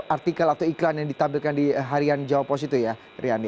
artikel atau iklan yang ditampilkan di harian jawa post itu ya riani